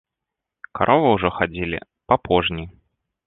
Каровы ўжо хадзілі па пожні.